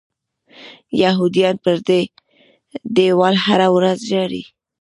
یهودیان پر دې دیوال هره ورځ ژاړي.